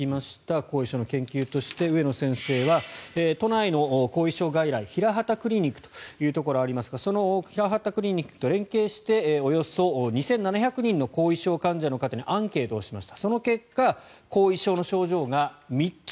後遺症の研究として上野先生は都内の後遺症外来のヒラハタクリニックというところがありますがそのヒラハタクリニックと連携しておよそ２７００人の後遺症患者の方にアンケートをしました。